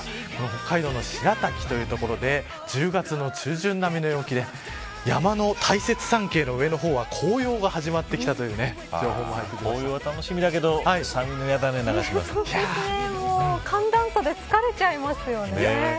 北海道の白滝という所で１０月の中旬並みの陽気で山の大雪山系の上の方は紅葉が始まってきたという紅葉は楽しみだけど寒暖差で疲れちゃいますよね。